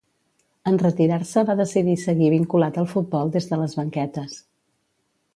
En retirar-se va decidir seguir vinculat al futbol des de les banquetes.